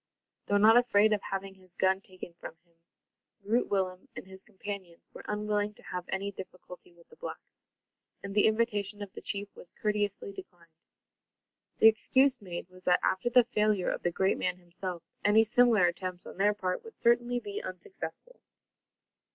Though not afraid of having his gun taken from him, Groot Willem and his companions were unwilling to have any difficulty with the blacks; and the invitation of the chief was courteously declined. The excuse made was that, after the failure of the great man himself, any similar attempts on their part would certainly be unsuccessful.